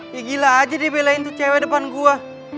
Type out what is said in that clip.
ya gila aja deh belain tuh cewe depan gue